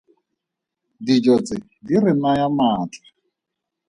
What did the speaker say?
Dijo tse di re naya maatla.